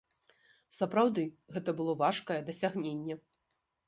Сапраўды гэта было важкае дасягненне.